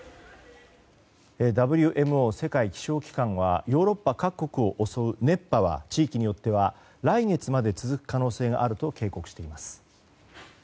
ＷＭＯ・世界気象機関はヨーロッパ各国を襲う熱波は地域によっては来月まで続く可能性があると警告しています。